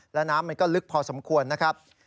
และน้ำมันก็ลึกพอสมควรนะครับ